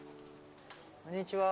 こんにちは。